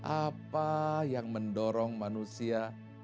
apa yang mendorong manusia